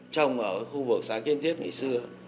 trồng ở khu vực xã kiên tiết ngày xưa